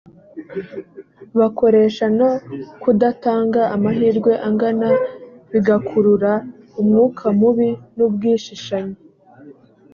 bakoresha no kudatanga amahirwe angana bigakurura umwuka mubi n ubwishishanye